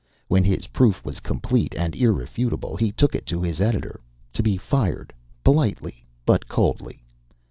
When his proof was complete and irrefutable, he took it to his editor to be fired, politely but coldly.